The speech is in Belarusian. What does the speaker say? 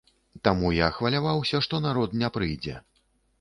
Таму, я хваляваўся, што народ не прыйдзе.